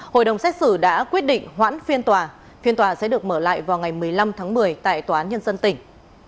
hội đồng xét xử đã quyết định hoãn phiên tòa phiên tòa sẽ được mở lại vào ngày một mươi năm tháng một mươi tại tòa án nhân dân tỉnh